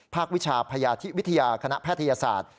วิชาพยาธิวิทยาคณะแพทยศาสตร์